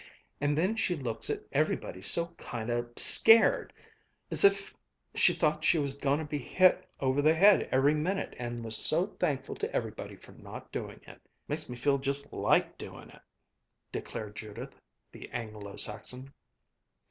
And then she looks at everybody so kind o' scared 's'if she thought she was goin' to be hit over the head every minute and was so thankful to everybody for not doing it. Makes me feel just like doin' it!" declared Judith, the Anglo Saxon.